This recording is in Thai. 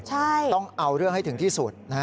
ใช่ใช่ต้องเอาเรื่องให้ถึงที่สุด